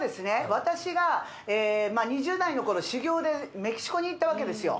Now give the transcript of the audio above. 私が２０代の頃修行でメキシコに行ったわけですよ